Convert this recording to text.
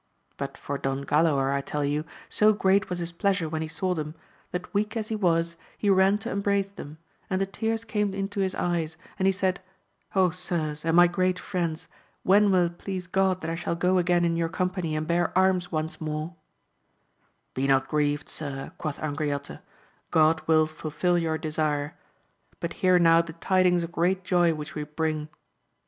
But for Don Galaor, I tell you, so great was his pleasure when he saw them, that weak as he was he ran to embrace them, and the tears came into his eyes, and he said, sirs, and my great friends, when will it please God that I shall go again in your company, and bear arms once more 1 Be not grieved, sir, quoth Angriote, God will fulfill your desire ; but hear now the tidings of great joy which we bring.